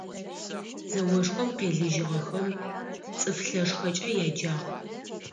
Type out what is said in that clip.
Зэошхом къелыжьыгъэхэм «Цӏыф лъэшхэкӏэ» яджагъ.